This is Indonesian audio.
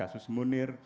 kasus wedan kasus munir